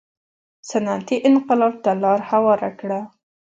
صنعتي انقلاب ته لار هواره کړه.